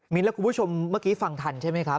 และคุณผู้ชมเมื่อกี้ฟังทันใช่ไหมครับ